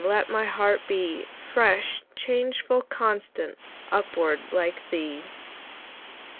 Let my heart be Fresh, changeful, constant, Upward, like thee!